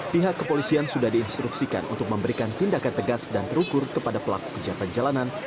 pihak kepolisian sudah diinstruksikan untuk memberikan tindakan tegas dan terukur kepada pelaku kejahatan jalanan